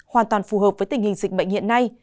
hoàn toàn phù hợp với tình hình dịch bệnh hiện nay